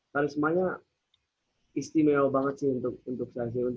karismanya istimewa banget sih untuk saya sih